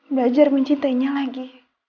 belajar mencintainya lagi